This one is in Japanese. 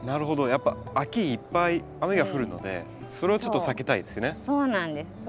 やっぱ秋いっぱい雨が降るのでそれはちょっと避けたいですね。